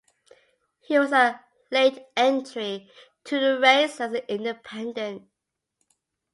He was a late entry to the race as an independent.